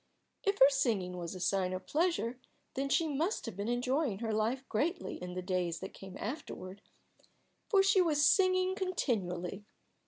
If her singing was a sign of pleasure, then she must have been enjoying her life greatly in the days that came afterward, for she was singing continually.